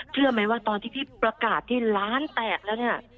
เชื่อไหมว่าตอนที่พี่ประกาศที่ร้านแตกแล้วเนี่ย